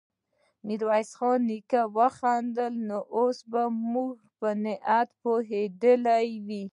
ميرويس نيکه وخندل: نو اوس به زموږ په نيت پوهېدلی يې؟